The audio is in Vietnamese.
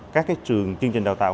các trường chương trình đào tạo